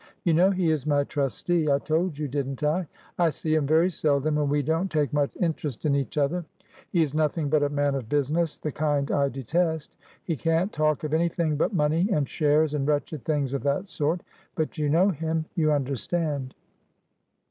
"You know he is my trusteeI told you, didn't I? I see him very seldom, and we don't take much interest in each other; he's nothing but a man of business, the kind I detest; he can't talk of anything but money and shares and wretched things of that sort. But you know himyou understand."